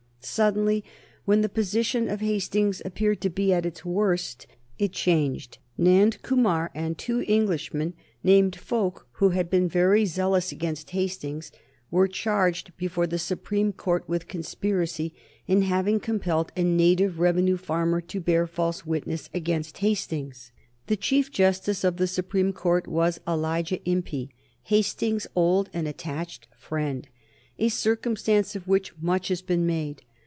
Suddenly, when the position of Hastings appeared to be at its worst, it changed. Nand Kumar and two Englishmen named Fowke, who had been very zealous against Hastings, were charged before the Supreme Court with conspiracy, in having compelled a native revenue farmer to bear false witness against Hastings. The Chief Justice of the Supreme Court was Elijah Impey, Hastings's old and attached friend, a circumstance of which much has been made.